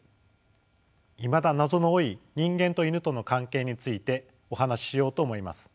いまだ謎の多い人間とイヌとの関係についてお話ししようと思います。